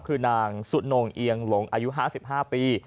คือนางสุนงเอียงหลงอายุ๕๕ปี